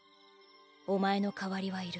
お前の代わりはいる。